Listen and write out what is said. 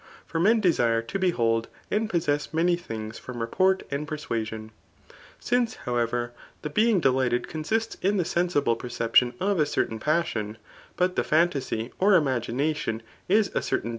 For men desire to behold and possess taaiWf things, from report and persuasion. Sinc^ howevar, die being delighted consists in the sensible perC€|>tidDL of a certain passion ; but the phantasy or imaginatbn is ^ ceip taLin.